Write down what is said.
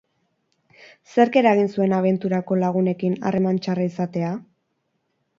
Zerk eragin zuen abenturako lagunekin harreman txarra izatea?